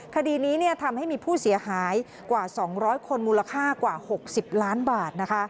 คดีนี้ทำให้มีผู้เสียหายกว่า๒๐๐คนมูลค่ากว่า๖๐ล้านบาท